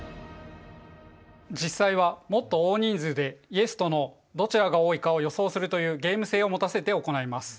実際はもっと大人数でＹｅｓとＮｏどちらが多いかを予想するというゲーム性を持たせて行います。